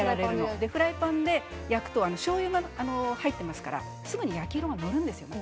フライパンで焼くとしょうゆが入っていますのですぐに焼きがのるんです。